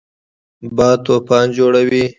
باد طوفان جوړوي